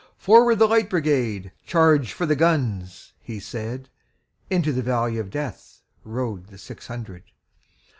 "Forward, the Light Brigade! Charge for the guns!" he said:Into the valley of DeathRode the six hundred.